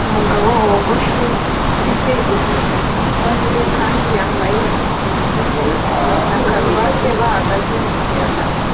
Umugabo wogoshe ufite ibirahuri kandi yambaye ikositimu na karuvati bihagaze mumuyaga